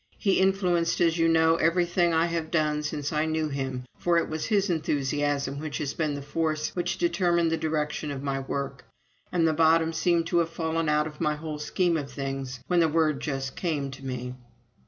He influenced, as you know, everything I have done since I knew him for it was his enthusiasm which has been the force which determined the direction of my work. And the bottom seemed to have fallen out of my whole scheme of things when the word just came to me."